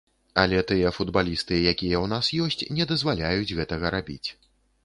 Але тыя футбалісты, якія ў нас ёсць, не дазваляюць гэтага рабіць.